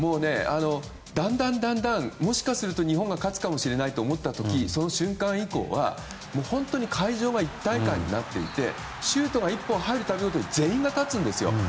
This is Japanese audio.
だんだんもしかすると日本が勝つかもと思った時その瞬間以降は、会場が一体感になっていてシュートが１本入るごとに全員が立つんですよ。